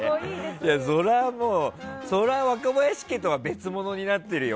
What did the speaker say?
そりゃもう若林家とは別物になってるよ